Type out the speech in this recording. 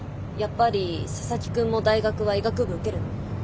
やっぱり佐々木くんも大学は医学部受けるの？